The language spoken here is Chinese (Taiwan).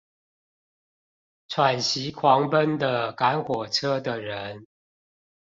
喘息狂奔的趕火車的人